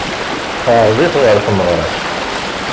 Teɛreḍ-it ɣer tmeɣra-s.